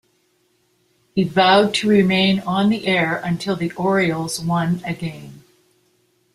He vowed to remain on the air until the Orioles won a game.